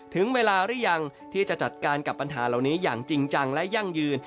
ถึงเวลาหรือยังที่จะจัดการกับปัญหาเหล่านี้อย่างจริงจังและยั่งยืน